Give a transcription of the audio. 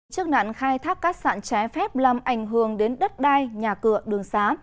trước nạn khai thác các sản trái phép làm ảnh hưởng đến đất đai nhà cửa đường xá